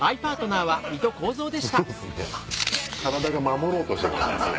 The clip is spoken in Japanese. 体が守ろうとしてますね